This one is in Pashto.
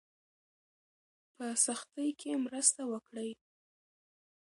په سختۍ کې مرسته وکړئ.